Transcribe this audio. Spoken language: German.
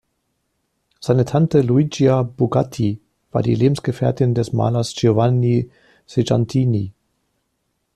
Seine Tante Luigia Bugatti war die Lebensgefährtin des Malers Giovanni Segantini.